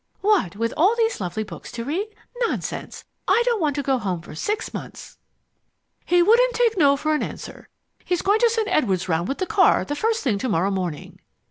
"What, with all these lovely books to read? Nonsense! I don't want to go home for six months!" "He wouldn't take No for an answer. He's going to send Edwards round with the car the first thing to morrow morning."